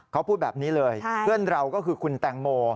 เขาพูดแบบนี้เลยเพื่อนเราก็คือคุณแตงโม